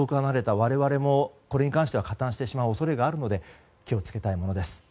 我々もこれに関しては加担してしまう恐れがあるので気を付けたいものです。